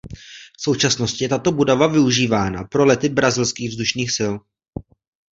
V současnosti je tato budova využívána pro lety brazilských vzdušných sil.